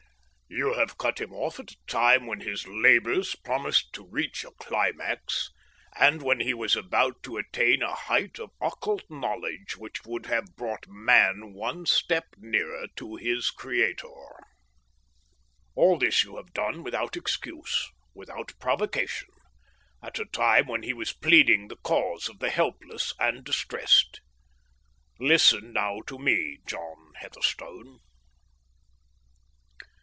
You have cut him off at a time when his labours promised to reach a climax and when he was about to attain a height of occult knowledge which would have brought man one step nearer to his Creator. All this you have done without excuse, without provocation, at a time when he was pleading the cause of the helpless and distressed. Listen now to me, John Heatherstone.